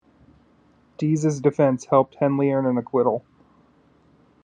Dees's defense helped Henley earn an acquittal.